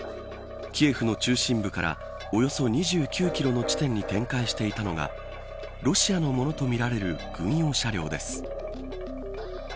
キエフの中心部からおよそ２９キロの地点に展開していたのがロシアのものとみられる軍用車両です。